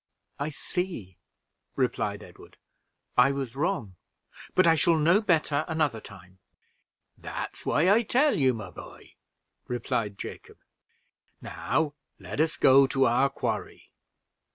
"I see," replied Edward, "I was wrong; but I shall know better another time." "That's why I tell you, my boy," replied Jacob. "Now let us go to our quarry.